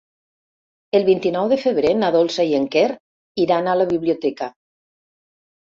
El vint-i-nou de febrer na Dolça i en Quer iran a la biblioteca.